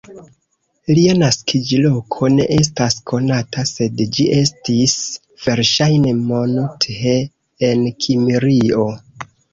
Lia naskiĝloko ne estas konata, sed ĝi estis verŝajne Monmouth en Kimrio.